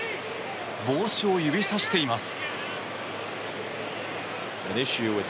帽子を指さしています。